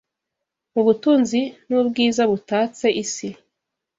mu butunzi n’ubwiza butatse isi,